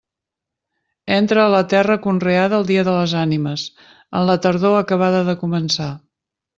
Entra a la terra conreada el dia de les Ànimes, en la tardor acabada de començar.